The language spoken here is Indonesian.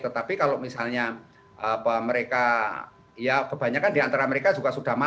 tetapi kalau misalnya mereka ya kebanyakan di antara mereka juga sudah masuk